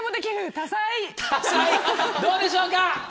多才どうでしょうか？